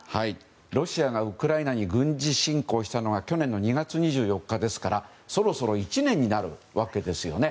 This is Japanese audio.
ロシアがウクライナに軍事侵攻したのは去年の２月２４日ですからそろそろ１年になるわけですね。